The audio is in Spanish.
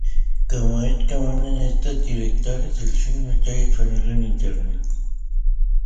Como es común en estos directores, el filme está disponible en internet.